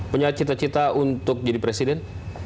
punya cita cita untuk jadi presiden